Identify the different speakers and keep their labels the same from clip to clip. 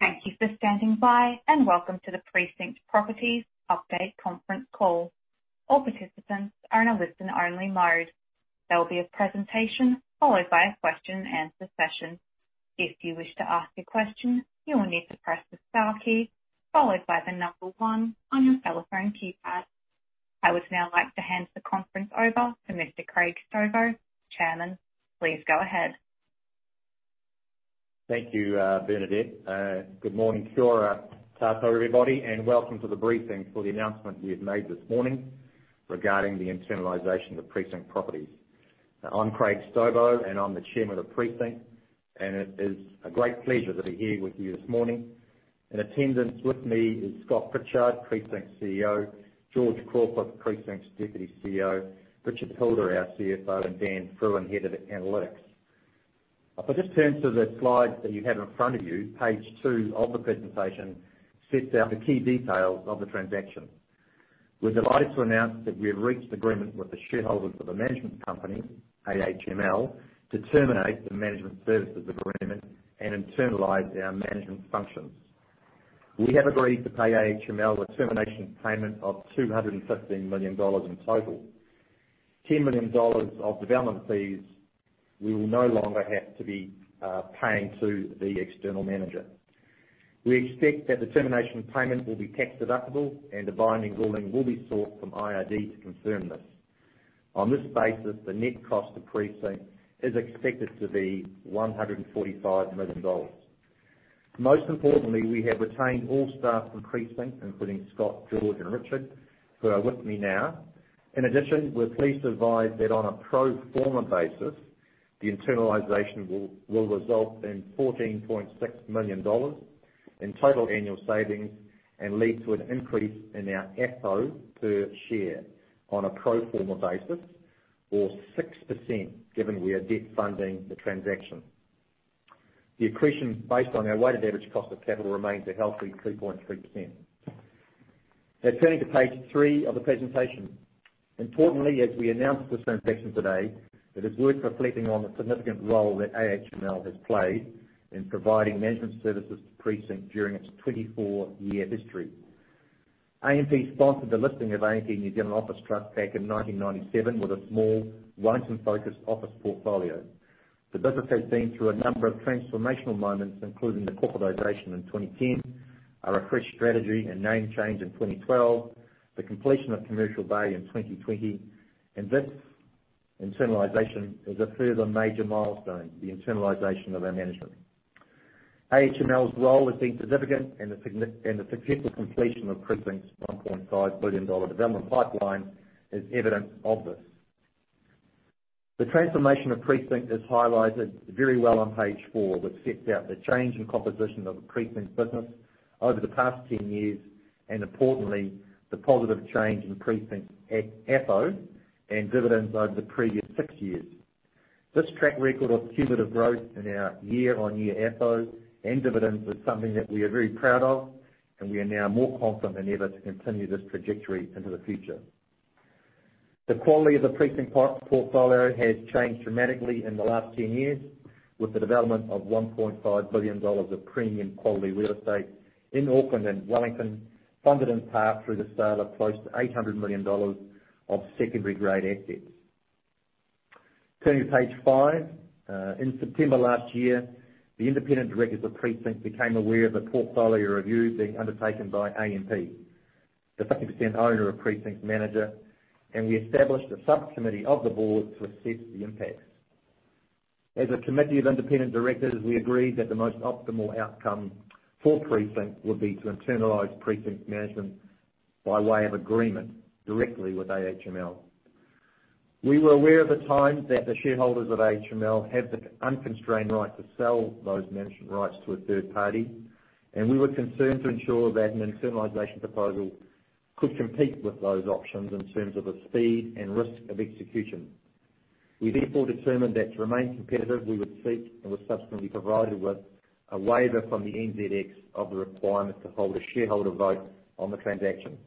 Speaker 1: Thank you for standing by, and welcome to the Precinct Properties update conference call. All participants are in a listen-only mode. There will be a presentation followed by a question and answer session. If you wish to ask a question, you will need to press the star key, followed by the number one on your telephone keypad. I would now like to hand the conference over to Mr. Craig Stobo, Chairman. Please go ahead.
Speaker 2: Thank you, Bernadette. Good morning, everybody, and welcome to the briefing for the announcement we have made this morning regarding the internalization of Precinct Properties. I'm Craig Stobo, and I'm the Chairman of Precinct, and it is a great pleasure to be here with you this morning. In attendance with me is Scott Pritchard, Precinct's CEO, George Crawford, Precinct's Deputy CEO, Richard Hilder, our CFO, and Dan Frewen, Head of Analytics. If I just turn to the slides that you have in front of you, page two of the presentation sets out the key details of the transaction. We're delighted to announce that we have reached agreement with the shareholders of the management company, AHML, to terminate the management services agreement and internalize our management functions. We have agreed to pay AHML a termination payment of 215 million dollars in total, 10 million dollars of development fees we will no longer have to be paying to the external manager. We expect that the termination payment will be tax-deductible and a binding ruling will be sought from IRD to confirm this. On this basis, the net cost to Precinct is expected to be 145 million dollars. Most importantly, we have retained all staff from Precinct, including Scott, George, and Richard, who are with me now. We're pleased to advise that on a pro forma basis, the internalization will result in 14.6 million dollars in total annual savings and lead to an increase in our FFO per share on a pro forma basis or 6% given we are debt funding the transaction. The accretion based on our weighted average cost of capital remains a healthy 3.3%. Now, turning to page three of the presentation. Importantly, as we announce this transaction today, it is worth reflecting on the significant role that AHML has played in providing management services to Precinct during its 24-year history. AMP sponsored the listing of AMP NZ Office Trust back in 1997 with a small Wellington-focused office portfolio. The business has been through a number of transformational moments, including the corporatization in 2010, our refreshed strategy and name change in 2012, the completion of Commercial Bay in 2020, and this internalization is a further major milestone, the internalization of our management. AHML's role has been significant, and the successful completion of Precinct's 1.5 billion dollar development pipeline is evidence of this. The transformation of Precinct is highlighted very well on page four, that sets out the change in composition of the Precinct business over the past 10 years, and importantly, the positive change in Precinct's FFO and dividends over the previous six years. This track record of cumulative growth in our year-on-year FFO and dividends is something that we are very proud of, and we are now more confident than ever to continue this trajectory into the future. The quality of the Precinct portfolio has changed dramatically in the last 10 years with the development of 1.5 billion dollars of premium quality real estate in Auckland and Wellington, funded in part through the sale of close to 800 million dollars of secondary grade assets. Turning to page five. In September last year, the independent directors of Precinct became aware of a portfolio review being undertaken by AMP, the 50% owner of Precinct manager, and we established a subcommittee of the board to assess the impact. As a committee of independent directors, we agreed that the most optimal outcome for Precinct would be to internalize Precinct management by way of agreement directly with AHML. We were aware at the time that the shareholders of AHML had the unconstrained right to sell those management rights to a third party, and we were concerned to ensure that an internalization proposal could compete with those options in terms of the speed and risk of execution. We therefore determined that to remain competitive, we would seek, and were subsequently provided with, a waiver from the NZX of the requirement to hold a shareholder vote on the transaction.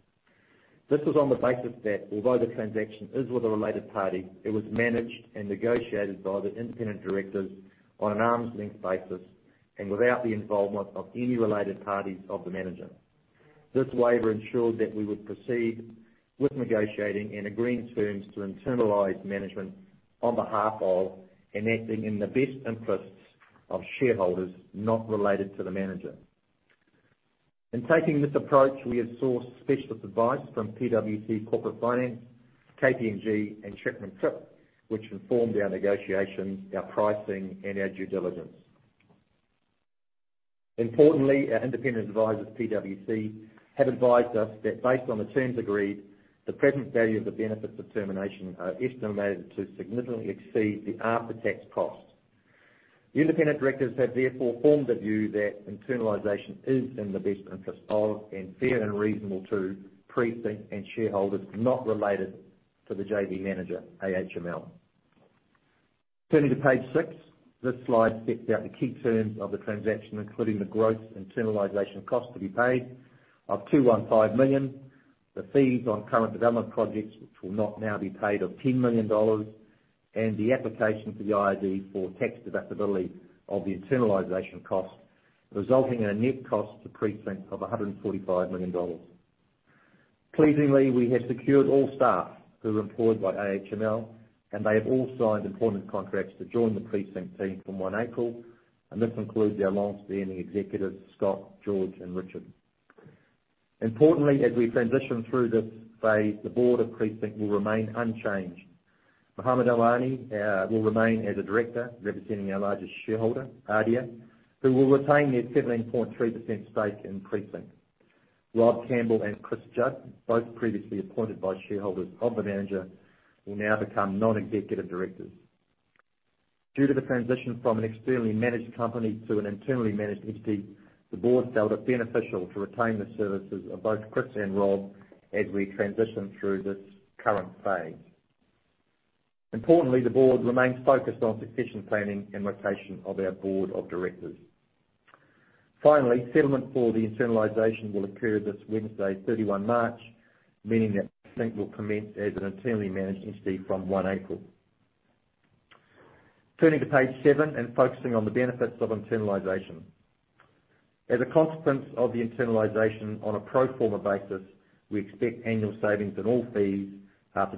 Speaker 2: This was on the basis that although the transaction is with a related party, it was managed and negotiated by the independent directors on an arm's length basis and without the involvement of any related parties of the manager. This waiver ensured that we would proceed with negotiating and agreeing terms to internalize management on behalf of, and acting in the best interests of shareholders not related to the manager. In taking this approach, we have sourced specialist advice from PwC Corporate Finance, KPMG, and Chapman Tripp, which informed our negotiations, our pricing, and our due diligence. Importantly, our independent advisers, PwC, have advised us that based on the terms agreed, the present value of the benefits of termination are estimated to significantly exceed the after-tax cost. The independent directors have therefore formed the view that internalization is in the best interests of, and fair and reasonable to, Precinct and shareholders not related to the JV manager, AHML. Turning to page six. This slide sets out the key terms of the transaction, including the gross internalization cost to be paid of 215 million. The fees on current development projects which will not now be paid are 10 million dollars, and the application to the IRD for tax deductibility of the internalization costs, resulting in a net cost to Precinct of 145 million dollars. Pleasingly, we have secured all staff who are employed by AHML, and they have all signed employment contracts to join the Precinct team from one April, and this includes our longstanding executives, Scott, George, and Richard. Importantly, as we transition through this phase, the board of Precinct will remain unchanged. Mohammed Al Nuaimi will remain as a director representing our largest shareholder, ADIA, who will retain their 17.3% stake in Precinct. Rob Campbell and Chris Judd, both previously appointed by shareholders of the manager, will now become non-executive directors. Due to the transition from an externally managed company to an internally managed entity, the board felt it beneficial to retain the services of both Chris and Rob as we transition through this current phase. Importantly, the board remains focused on succession planning and rotation of our board of directors. Finally, settlement for the internalization will occur this Wednesday, 31 March, meaning that Precinct will commence as an internally managed entity from one April. Turning to page seven and focusing on the benefits of internalization. As a consequence of the internalization on a pro forma basis, we expect annual savings in all fees after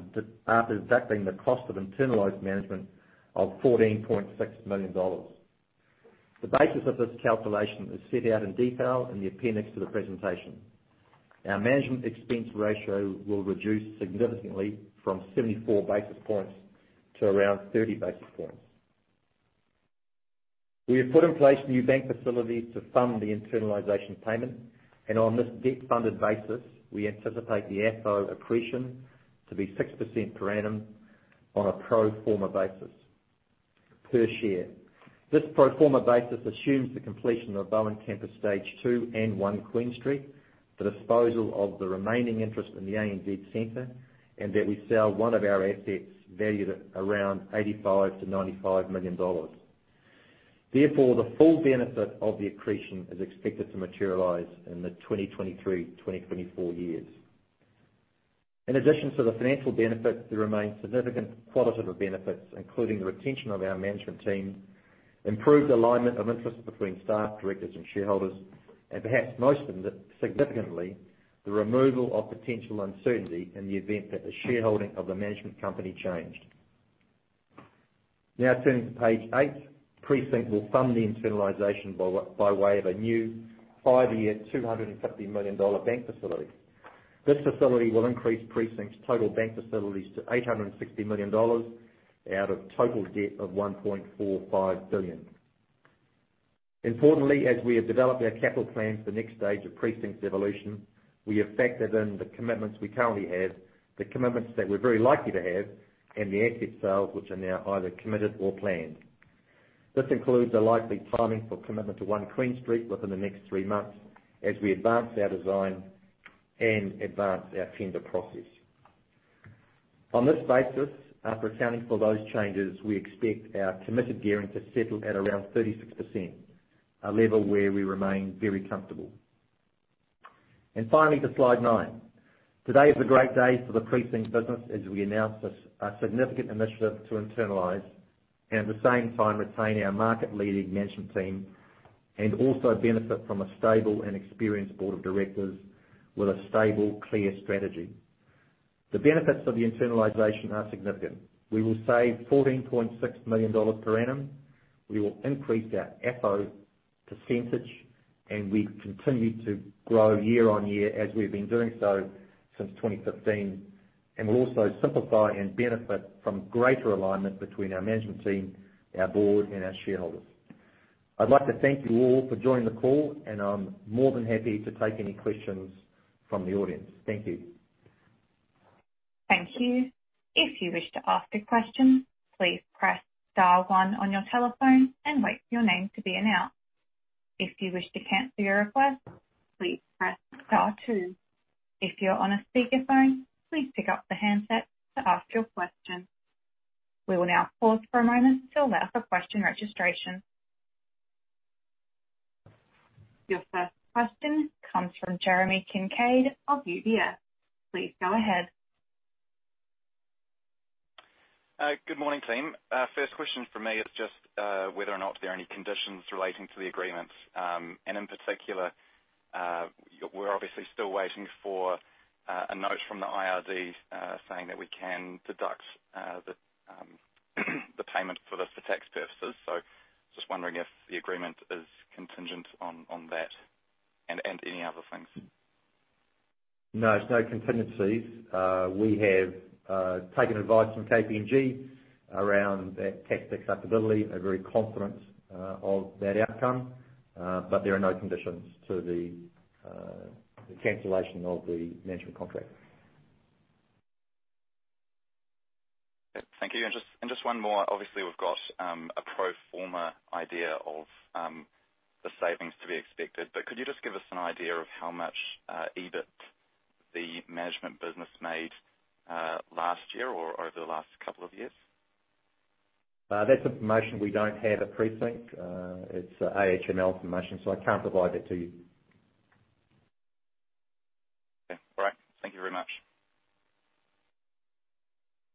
Speaker 2: deducting the cost of internalized management of 14.6 million dollars. The basis of this calculation is set out in detail in the appendix to the presentation. Our management expense ratio will reduce significantly from 74 basis points to around 30 basis points. We have put in place new bank facilities to fund the internalization payment, and on this debt-funded basis, we anticipate the AFFO accretion to be 6% per annum on a pro forma basis per share. This pro forma basis assumes the completion of Bowen Campus stage two and One Queen Street, the disposal of the remaining interest in the ANZ Centre, and that we sell one of our assets valued at around 85 million-95 million dollars. Therefore, the full benefit of the accretion is expected to materialize in the 2023-2024 years. In addition to the financial benefits, there remains significant qualitative benefits, including the retention of our management team, improved alignment of interest between staff, directors and shareholders, and perhaps most significantly, the removal of potential uncertainty in the event that the shareholding of the management company changed. Now turning to page eight. Precinct will fund the internalization by way of a new five-year, 250 million dollar bank facility. This facility will increase Precinct's total bank facilities to 860 million dollars out of total debt of 1.45 billion. Importantly, as we have developed our capital plans for the next stage of Precinct's evolution, we have factored in the commitments we currently have, the commitments that we're very likely to have, and the asset sales which are now either committed or planned. This includes the likely timing for commitment to One Queen Street within the next three months as we advance our design and advance our tender process. On this basis, after accounting for those changes, we expect our committed gearing to settle at around 36%, a level where we remain very comfortable. Finally, to slide nine. Today is a great day for the Precinct business as we announce a significant initiative to internalize and at the same time retain our market-leading management team and also benefit from a stable and experienced board of directors with a stable, clear strategy. The benefits of the internalization are significant. We will save 14.6 million dollars per annum, we will increase our AFFO percentage, and we continue to grow year-on-year as we've been doing so since 2015, and we'll also simplify and benefit from greater alignment between our management team, our board, and our shareholders. I'd like to thank you all for joining the call, and I'm more than happy to take any questions from the audience. Thank you.
Speaker 1: Thank you. Your first question comes from Jeremy Kincade of UBS. Please go ahead.
Speaker 3: Good morning, team. First question from me is just whether or not there are any conditions relating to the agreements. In particular, we're obviously still waiting for a note from the IRD, saying that we can deduct the payment for this for tax purposes. Just wondering if the agreement is contingent on that and any other things.
Speaker 2: No, there's no contingencies. We have taken advice from KPMG around that tax deductibility. They're very confident of that outcome, but there are no conditions to the cancellation of the management contract.
Speaker 3: Thank you. Just one more. Obviously, we've got a pro forma idea of the savings to be expected, could you just give us an idea of how much EBIT the management business made last year or over the last couple of years?
Speaker 2: That's information we don't have at Precinct. It's AHML information, so I can't provide that to you.
Speaker 3: Okay, all right. Thank you very much.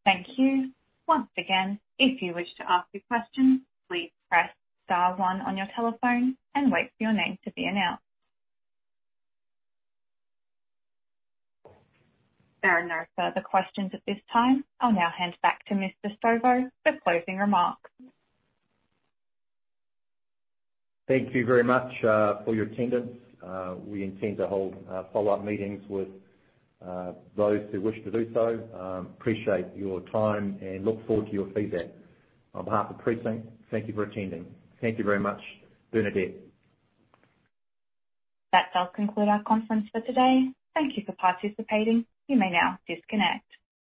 Speaker 1: Thank you. Once again, if you wish to ask a question, please press star one on your telephone and wait for your name to be announced. There are no further questions at this time. I'll now hand back to Mr. Stobo for closing remarks.
Speaker 2: Thank you very much for your attendance. We intend to hold follow-up meetings with those who wish to do so. Appreciate your time and look forward to your feedback. On behalf of Precinct, thank you for attending. Thank you very much, Bernadette.
Speaker 1: That does conclude our conference for today. Thank you for participating. You may now disconnect.